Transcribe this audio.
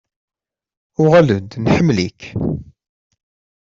Uɣal-d nḥemmel-ik.